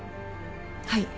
はい。